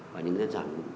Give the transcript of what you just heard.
và những cái giảm